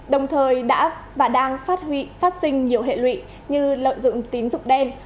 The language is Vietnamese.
đồng thời đã và đang phát huy phát sinh nhiều hệ lụy như lợi dụng tín dụng đen